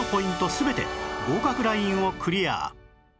全て合格ラインをクリア